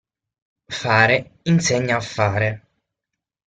Fare insegna a fare.